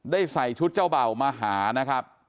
ใส่ชุดเจ้าเบ่ามาหานะครับ